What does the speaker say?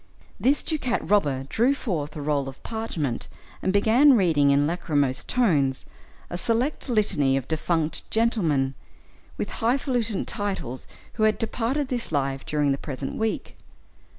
This ducat robber drew forth a roll of parchment, and began reading, in lachrymose tones, a select litany of defunct gentlemen, with hifalutin titles who had departed this life during the present week.